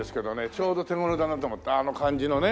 ちょうど手頃だなと思ってあの感じのね。